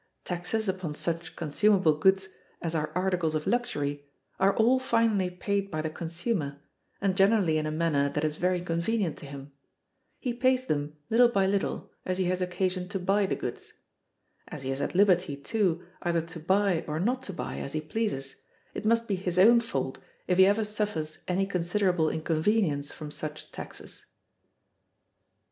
Taxes upon such consumable goods as are articles of luxury are all finally paid by the consumer, and generally in a manner that is very convenient to him. He pays them little by little, as he has occasion to buy the goods. As he is at liberty, too, either to buy or not to buy, as he pleases, it must be his own fault if he ever suffers any considerable inconvenience from such taxes.